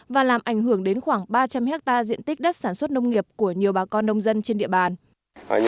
và làm ảnh hưởng đến khoảng ba trăm linh hectare diện tích đất sản xuất nông nghiệp của nhiều bà con nông dân trên địa bàn